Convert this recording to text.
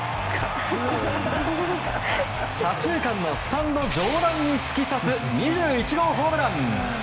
左中間のスタンド上段に突き刺す２１号ホームラン！